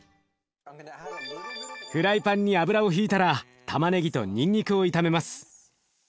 フライパンに油をひいたらたまねぎとにんにくを炒めます。